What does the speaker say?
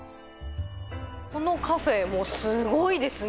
このカフェもすごいですね。